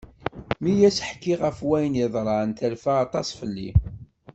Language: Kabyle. Mi as-ḥkiɣ ɣef wayen i yeḍran terfa aṭas fell-i.